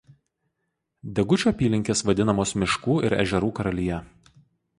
Degučių apylinkės vadinamos miškų ir ežerų karalija.